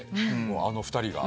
あの２人が。